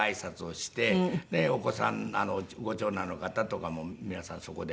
お子さんご長男の方とかも皆さんそこで。